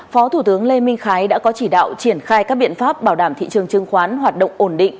phó thủ tướng lê minh khái đã có chỉ đạo triển khai các biện pháp bảo đảm thị trường chứng khoán hoạt động ổn định